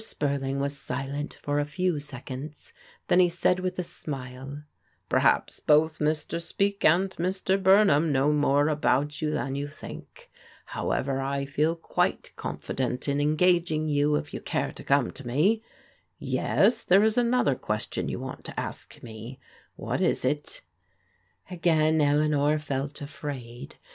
Spurling was silent for a few seconds, then he said with a smile : "Perhaps both Mr. Speke and Mr. Bumham know more about you than you think. However, I feel quite conBdent in engaging you, if you cat^ Xo caxcsR. \a xofc^ S4D PRODIOAL DAUOHTEBS Yes, tliere b anodier questioo 7011 want to ask me. What b it?" Again Ekanor f dt afraid.